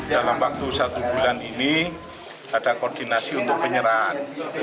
dalam waktu satu bulan ini ada koordinasi untuk penyerahan